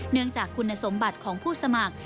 เนื่องจากคุณสมบัติของผู้สมัคร